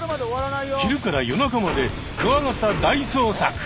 昼から夜中までクワガタ大捜索！